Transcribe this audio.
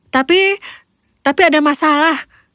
tapi tapi ada masalah